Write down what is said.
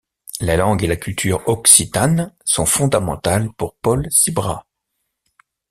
La langue et la culture occitanes sont fondamentales pour Paul Sibra.